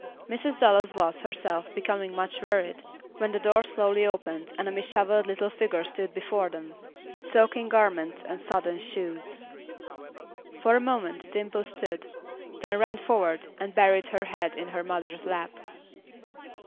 Mrs. Dallas was, herself, becoming much worried, when the door slowly opened and a disheveled little figure stood before them, with soaking garments and sodden shoes. For a moment Dimple stood, then ran forward and buried her head in her mother's lap.